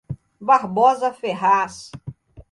Barbosa Ferraz